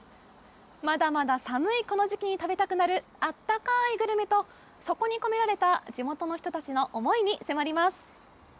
まだまだ寒いこの時期に食べたくなるあったかいグルメとそこに込められた地元の人たちの思いに迫ります。